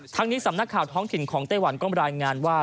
ทั้งนี้สำนักข่าวท้องถิ่นของไต้หวันก็รายงานว่า